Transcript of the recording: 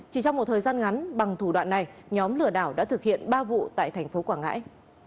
chỉ trong một thời gian ngắn bằng thủ đoạn này nhóm lừa đảo đã thực hiện ba vụ tại thành phố quảng ngãi